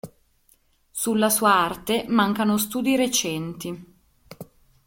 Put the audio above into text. Sulla sua arte mancano studi recenti.